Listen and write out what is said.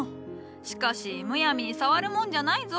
しかしむやみに触るもんじゃないぞ。